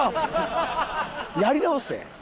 やり直せ！